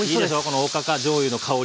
このおかかじょうゆの香り。